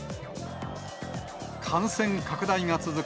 感染拡大が続く